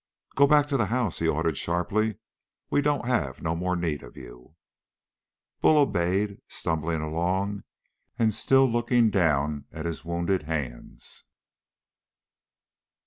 "Go on back to the house," he ordered sharply. "We don't have no more need of you." Bull obeyed, stumbling along and still looking down at his wounded hands.